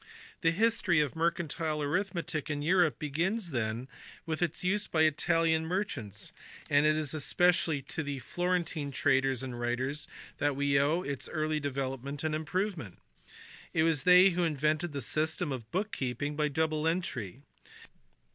The history of mercantile arithmetic in Europe begins then with its use by Italian merchants, and it is especially to the Florentine traders and writers that we owe its early develop ment and improvement. It was they who invented the system of book keeping by double entry.